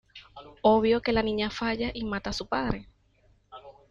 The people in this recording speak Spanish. Obvio que la niña falla y mata a su padre.